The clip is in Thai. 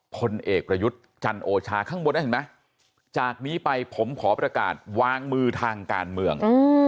พลเอกประยุทธ์จันโอชาข้างบนนั้นเห็นไหมจากนี้ไปผมขอประกาศวางมือทางการเมือง